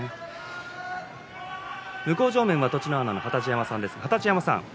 向正面は栃乃花の二十山さんです。